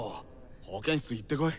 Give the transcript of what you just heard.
保健室行ってこい。